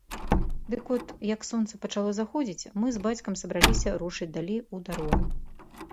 Дык от, як сонца пачало заходзіць, мы з бацькам сабраліся рушыць далей у дарогу.